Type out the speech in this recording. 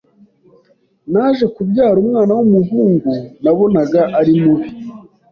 naje kubyara umwana wumuhungu nabonaga ari mubi